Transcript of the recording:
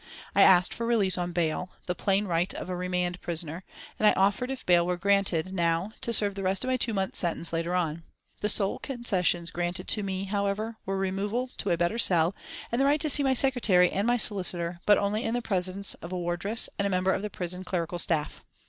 I asked for release on bail, the plain right of a remand prisoner, and I offered if bail were granted now to serve the rest of my two months' sentence later on. The sole concessions granted me, however, were removal to a better cell and the right to see my secretary and my solicitor, but only in the presence of a wardress and a member of the prison clerical staff.